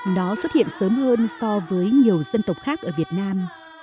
nó xuất hiện sớm hơn so với nhiều dân tộc khác ở việt nam